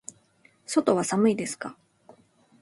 外は寒いですか。